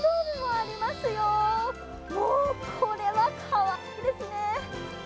もう、これはかわいいですね。